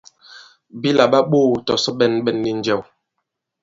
Bi làɓa ɓoō tɔ̀sɔ ɓɛ̀nɓɛ̀n nì njɛ̀w.